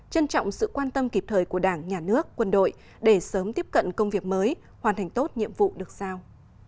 trân trọng sự quan tâm kịp thời của đảng nhà nước quân đội để sớm tiếp cận công việc mới hoàn thành tốt nhiệm vụ được sao